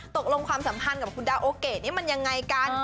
ตกลงความสัมพันธ์กับคุณดาโอเกะนี่มันยังไงกัน